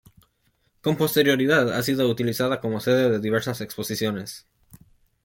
Con posterioridad, ha sido utilizada como sede de diversas exposiciones.